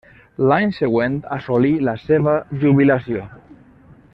L'any següent assolí la seva jubilació.